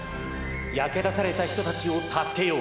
焼け出された人たちを助けよう。